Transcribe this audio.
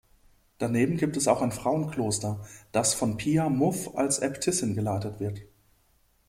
Daneben gibt es auch ein Frauenkloster, das von Pia Muff als Äbtissin geleitet wird.